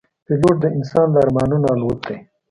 پیلوټ د انسان د ارمانونو الوت دی.